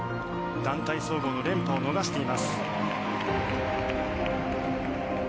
団体総合の連覇を逃しています。